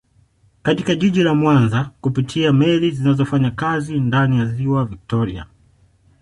Katika jiji la Mwanza kupitia meli zinazofanya kazi ndani ya ziwa viktoria